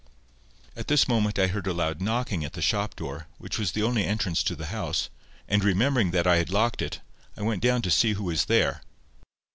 At this moment I heard a loud knocking at the shop door, which was the only entrance to the house, and remembering that I had locked it, I went down to see who was there.